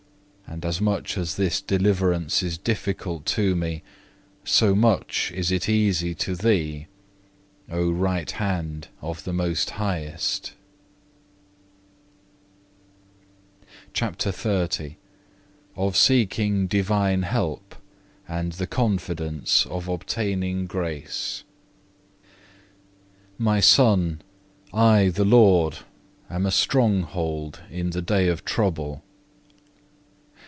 And as much as this deliverance is difficult to me, so much is it easy to Thee, O right hand of the most Highest. (1) John xii. 27. (2) Psalm xl. 16. CHAPTER XXX Of seeking divine help, and the confidence of obtaining grace "My Son, I the Lord am a stronghold in the day of trouble.